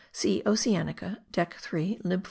See Oceanica Dec. 3 lib.